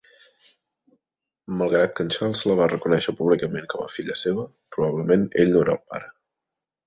Malgrat que en Charles la va reconèixer públicament com a filla seva, probablement ell no era el pare.